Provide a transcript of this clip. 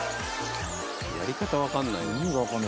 やり方わかんないな。